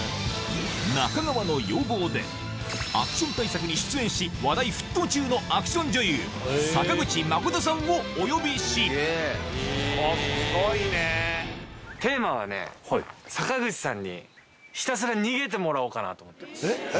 アクション大作に出演し話題沸騰中のアクション女優坂口茉琴さんをお呼びしテーマはね坂口さんにひたすら逃げてもらおうかなと思ってます。